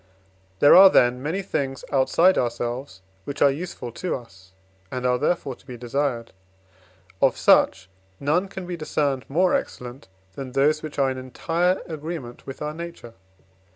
There are, then, many things outside ourselves, which are useful to us, and are, therefore, to be desired. Of such none can be discerned more excellent, than those which are in entire agreement with our nature.